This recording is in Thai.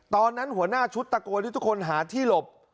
ตอนนั้นหัวหน้าชุดตะโกนให้ทุกคนหาที่หลบ